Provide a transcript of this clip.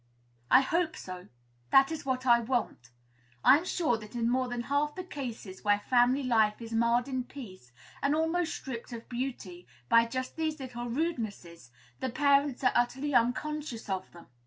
I hope so. That is what I want. I am sure that in more than half the cases where family life is marred in peace, and almost stripped of beauty, by just these little rudenesses, the parents are utterly unconscious of them.